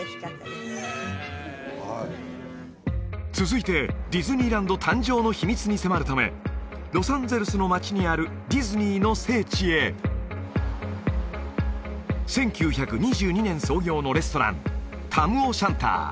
すごい続いてディズニーランド誕生の秘密に迫るためロサンゼルスの街にあるディズニーの聖地へ１９２２年創業のレストランタム・オ・シャンター